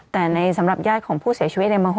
แต่ในสำหรับยาดของผู้เสียชีวิตในบางคน